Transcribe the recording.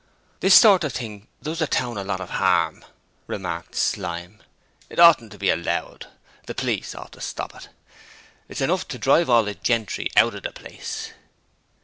'This sort of thing does the town a lot of 'arm,' remarked Slyme; 'it oughtn't to be allowed; the police ought to stop it. It's enough to drive all the gentry out of the place!'